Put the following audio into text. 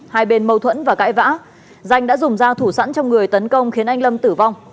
hai bên mâu thuẫn và cãi vã danh đã dùng dao thủ sẵn trong người tấn công khiến anh lâm tử vong